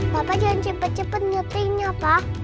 papa jangan cepet cepet nyetirnya pak